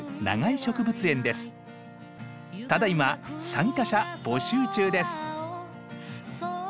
ただいま参加者募集中です。